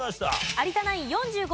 有田ナイン４５